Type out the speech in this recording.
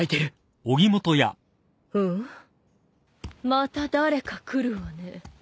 また誰か来るわね。